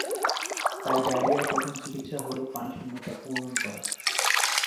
তাই ডায়রিয়ার প্রথম চিকিৎসা হলো পানিশূন্যতা পূরণ করা।